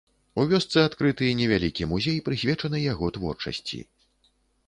У вёсцы адкрыты невялікі музей, прысвечаны яго творчасці.